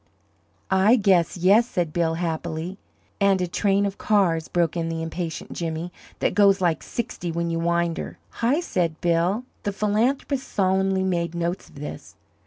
"I guess yes," said Bill, happily. "And a train of cars," broke in the impatient Jimmy, "that goes like sixty when you wind her?" "Hi!" said Bill. The philanthropist solemnly made notes of this.